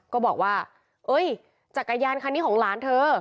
ก็บอกว่าเอ้ยจักรยานคันนี้ของหลานเธอ